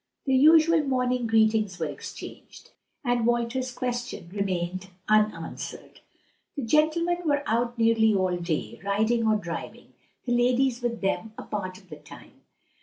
The usual morning greetings were exchanged, and Walter's question remained unanswered. The gentlemen were out nearly all day, riding or driving; the ladies with them a part of the time.